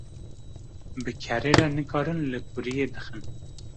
Bi kerê nikarin li kuriyê dixin